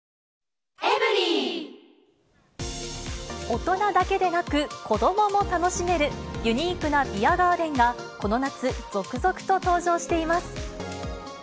大人だけでなく、子どもも楽しめる、ユニークなビアガーデンがこの夏、続々と登場しています。